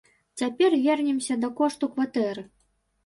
Цяпер вернемся да кошту кватэры.